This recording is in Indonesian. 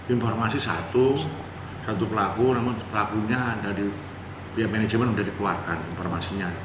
informasi satu satu pelaku namun pelakunya dari pihak manajemen sudah dikeluarkan informasinya